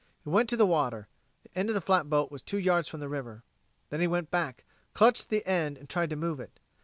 He went to the water; the end of the flatboat was two yards from the river. Then he went back, clutched the end and tried to move it.